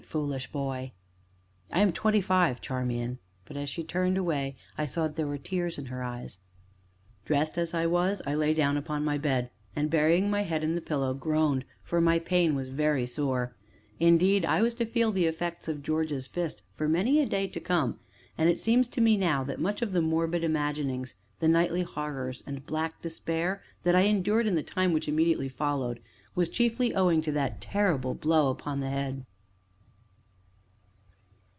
foolish boy!" "I am twenty five, Charmian!" But as she turned away I saw that there were tears in her eyes. Dressed as I was, I lay down upon my bed, and, burying my head in the pillow, groaned, for my pain was very sore; indeed I was to feel the effects of George's fist for many a day to come, and it seems to me now that much of the morbid imaginings, the nightly horrors, and black despair, that I endured in the time which immediately followed, was chiefly owing to that terrible blow upon the head.